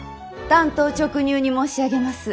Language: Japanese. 単刀直入に申し上げます。